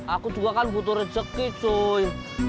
aku juga kan butuh rezeki john